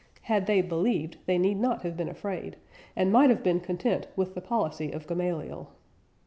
Had they believed, they need not have been afraid, and might have been content with the policy of Gamaliel.